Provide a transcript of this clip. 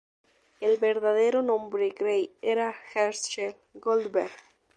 El verdadero nombre Grey era Herschel Goldberg.